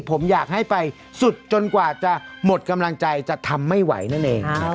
ผมอยากให้ไปสุดจนกว่าจะหมดกำลังใจจะทำไม่ไหวนั่นเอง